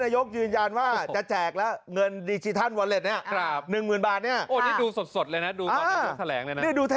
นายกยืนยานว่าจะแจกแล้วเงินดิจิทันวอเล็ตเนี่ยครับหมื่นบาทเนี่ยใส่นะดู